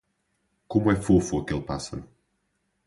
Como é fofo aquele pássaro.